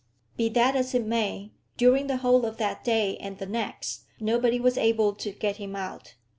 Be that as it may, during the whole of that day, and the next, nobody was able to get him out.